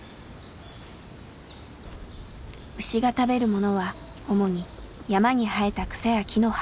牛が食べるものは主に山に生えた草や木の葉。